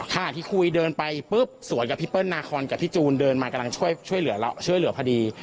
ขณะที่คุยเดินไปปุ๊บสวนกับพี่เปิ้ลนาคอนกับพี่จูนเดินมากำลังช่วยเหลือช่วยเหลือพอดี